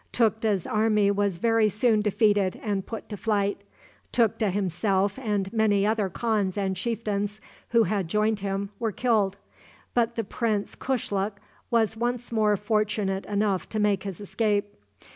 Tukta's army was very soon defeated and put to flight. Tukta himself, and many other khans and chieftains who had joined him, were killed; but the Prince Kushluk was once more fortunate enough to make his escape.